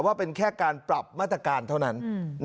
ว่าเป็นแค่การปรับมาตรการเท่านั้น